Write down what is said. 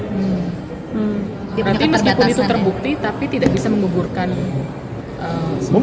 hmm berarti meskipun itu terbukti tapi tidak bisa menggugurkan semuanya